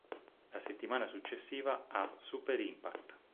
La settimana successiva, a "Super Impact!